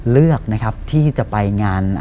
เลือกนะครับที่จะไปงาน